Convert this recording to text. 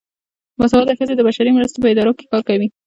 باسواده ښځې د بشري مرستو په ادارو کې کار کوي.